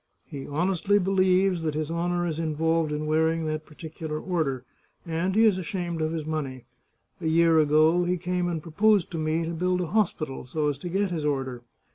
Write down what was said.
He honestly believes that his honour is involved in wearing that particu lar order, and he is ashamed of his money. A year ago he came and proposed to me to build a hospital, so as to get his order.